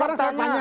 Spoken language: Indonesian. pak ines katanya